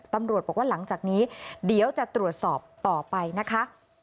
ตำรวจบอกว่าหลังจากนี้เดี๋ยวจะตรวจสอบต่อไปนะคะ